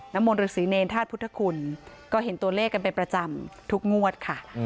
มนต์ฤษีเนรธาตุพุทธคุณก็เห็นตัวเลขกันเป็นประจำทุกงวดค่ะ